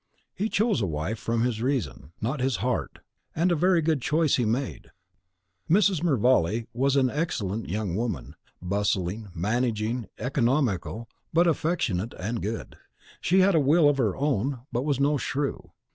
He chose a wife from his reason, not his heart, and a very good choice he made. Mrs. Mervale was an excellent young woman, bustling, managing, economical, but affectionate and good. She had a will of her own, but was no shrew.